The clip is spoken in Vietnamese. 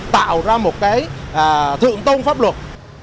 tạo ra một thượng tôn pháp luật